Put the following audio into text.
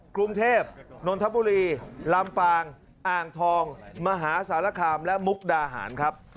กรุงเทพนนทบุรีลำปางอ่างทองมหาสารคามและมุกดาหารครับ